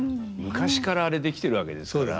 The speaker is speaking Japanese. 昔からあれ出来てるわけですから。